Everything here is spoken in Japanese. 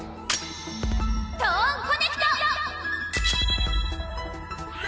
トーンコネクト！